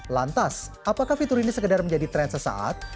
lantas apakah fitur ini sekedar menjadi tren sesaat